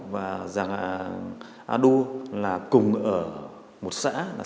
và giang a đua là cùng ở một xã